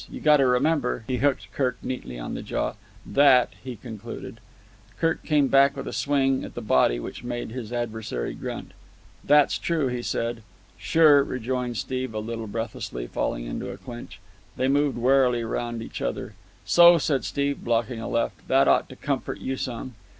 You gotta remember"—he hooked Kirk neatly on the jaw—"that" he concluded. Kirk came back with a swing at the body which made his adversary grunt. "That's true," he said. "Sure," rejoined Steve a little breathlessly, falling into a clinch. They moved warily round each other. "So," said Steve, blocking a left, "that ought to comfort you some."